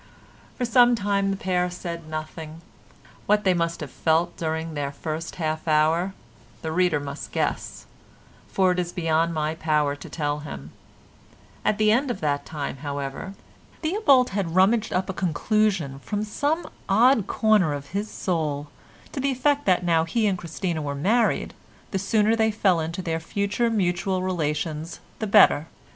For some time the pair said nothing: what they must have felt during their first half hour, the reader must guess, for it is beyond my power to tell him; at the end of that time, however, Theobald had rummaged up a conclusion from some odd corner of his soul to the effect that now he and Christina were married the sooner they fell into their future mutual relations the better.